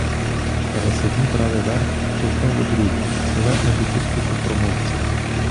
Раз одні брали верх, то знову другі, залежно від успіху промовців.